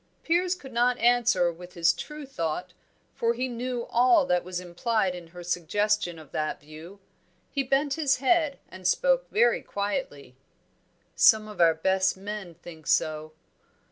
Piers could not answer with his true thought, for he knew all that was implied in her suggestion of that view. He bent his head and spoke very quietly. "Some of our best men think so."